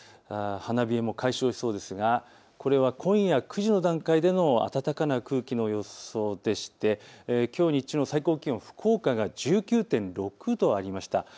花冷えも解消しそうですが、これは今夜９時の段階での暖かな空気の予想でしてきょう日中の最高気温、福岡は１９．６度ありました。